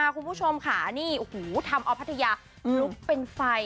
คุณผู้ชมค่ะนี่โอ้โหทำเอาพัทยาลุกเป็นไฟ